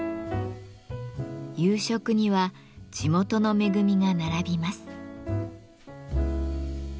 夕食には地元の恵みが並びます。